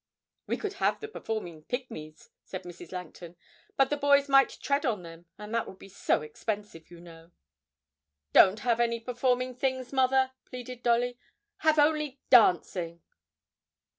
'We could have the Performing Pigmies,' said Mrs. Langton, 'but the boys might tread on them, and that would be so expensive, you know.' 'Don't have any performing things, mother,' pleaded Dolly; 'have only dancing.'